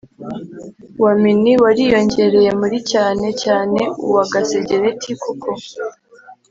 Wa mini wariyongereye muri cyane cyane uwa gasegereti kuko